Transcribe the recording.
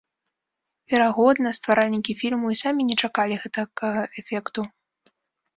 Верагодна, стваральнікі фільму і самі не чакалі гэтакага эфекту.